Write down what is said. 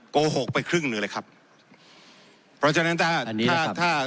โกหกไปครึ่งหนึ่งเลยครับเพราะฉะนั้นถ้าถ้าถ้า